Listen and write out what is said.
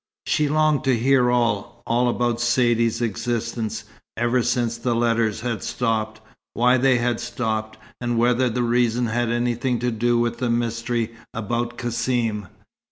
She longed to hear all, all about Saidee's existence, ever since the letters had stopped; why they had stopped; and whether the reason had anything to do with the mystery about Cassim.